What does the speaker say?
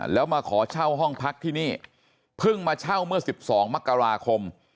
แล้วมาขอเช่าห้องพักที่นี่เพิ่งมาเช่าเมื่อ๑๒มกราคม